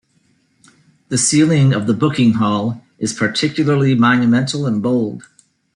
The ceiling of the booking hall is particularly monumental and bold.